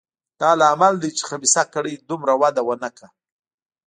دا لامل دی چې خبیثه کړۍ دومره وده ونه کړه.